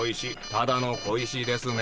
ただの小石ですね？